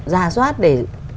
rà soát để